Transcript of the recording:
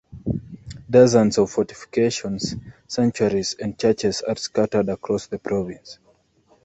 Dozens of fortifications, sanctuaries and churches are scattered across the province.